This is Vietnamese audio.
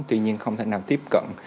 tuy nhiên không thể nào tiếp cận